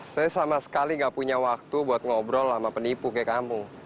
saya sama sekali gak punya waktu buat ngobrol sama penipu ke kampung